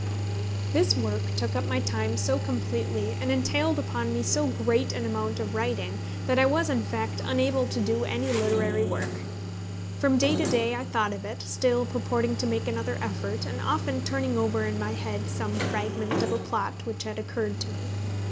This work took up my time so completely, and entailed upon me so great an amount of writing, that I was in fact unable to do any literary work. From day to day I thought of it, still purporting to make another effort, and often turning over in my head some fragment of a plot which had occurred to me.